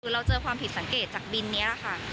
เราเจอความผิดสังเกตจากบินนี้ค่ะ